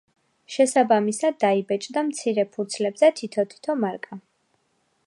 შესაბამისად დაიბეჭდა მცირე ფურცლებზე თითო-თითო მარკა.